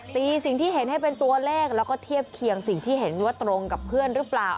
สิ่งที่เห็นให้เป็นตัวเลขแล้วก็เทียบเคียงสิ่งที่เห็นว่าตรงกับเพื่อนหรือเปล่า